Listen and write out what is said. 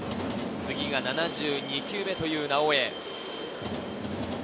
次が７２球目という直江。